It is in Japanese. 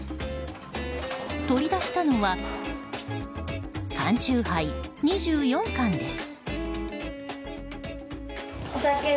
取り出したのは缶酎ハイ、２４缶です。